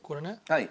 はい。